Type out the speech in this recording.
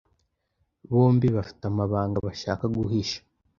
bombi bafite amabanga bashaka guhisha